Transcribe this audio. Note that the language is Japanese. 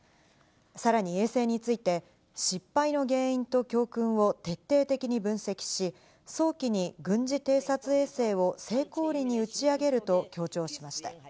さらに衛星について、失敗の原因と教訓を徹底的に分析し、早期に軍事偵察衛星を成功裏に打ち上げると強調しました。